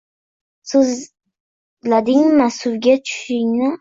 So’zladingmi suvga tushingni?